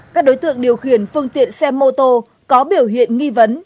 các đối tượng điều khiển phương tiện xe mô tô có biểu hiện nghi vấn